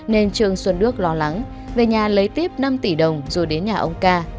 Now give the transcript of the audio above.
nên trương xuân đức lo lắng về nhà lấy tiếp năm tỷ đồng rồi đến nhà ông ca